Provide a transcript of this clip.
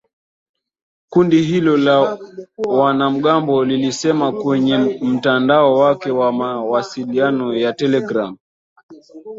Kundi hilo la wanamgambo lilisema kwenye mtandao wake wa mawasiliano ya telegram